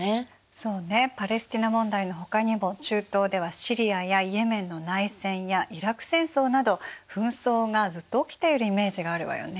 そうねパレスティナ問題のほかにも中東ではシリアやイエメンの内戦やイラク戦争など紛争がずっと起きているイメージがあるわよね。